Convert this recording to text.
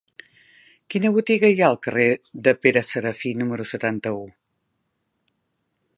Quina botiga hi ha al carrer de Pere Serafí número setanta-u?